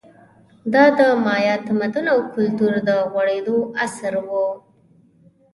دا د مایا تمدن او کلتور د غوړېدو عصر و